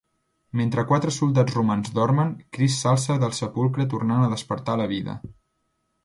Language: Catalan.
Mentre quatre soldats romans dormen, Crist s'alça del sepulcre tornant a despertar a la vida.